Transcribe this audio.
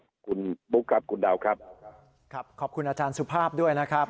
ขอบคุณบุ๊คครับคุณดาวครับครับขอบคุณอาจารย์สุภาพด้วยนะครับ